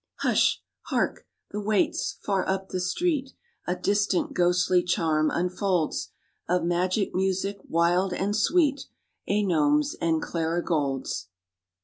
Hush! Hark! the waits, far up the street! A distant, ghostly charm unfolds, Of magic music wild and sweet, Anomes and clarigolds.